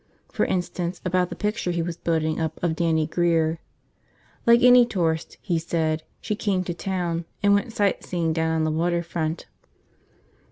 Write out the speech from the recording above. For instance, about the picture he was building up of Dannie Grear. Like any tourist, he said, she came to town and went sight seeing down on the water front.